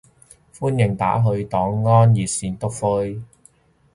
歡迎打去黨安熱線篤灰